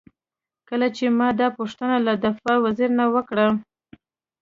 کله چې ما دا پوښتنه له دفاع وزیر نه وکړه.